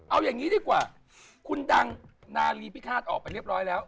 เอาอย่างนี้ดีกว่าคุณดังนาลีพิฆาตออกไปเรียบร้อยแล้ว